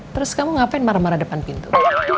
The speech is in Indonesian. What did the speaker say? terus kamu ngapain marah marah depan pintu